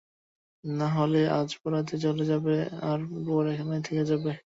না হলে আজ বারাত চলে যাবে, আর বর এখানেই থেকে যাবে।